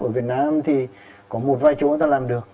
ở việt nam thì có một vài chỗ ta làm được